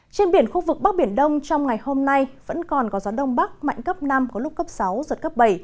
trên biển khu vực bắc biển đông trong ngày hôm nay vẫn còn có gió đông bắc mạnh cấp năm có lúc cấp sáu giật cấp bảy